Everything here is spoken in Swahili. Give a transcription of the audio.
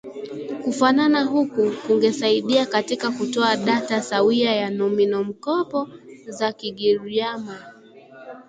Kufanana huku kungesaidia katika kutoa data sawia ya nomino-mkopo za Kigiryama